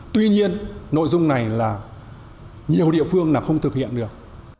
tuy nhiên nội dung này là nhiều địa phương là không thực hiện được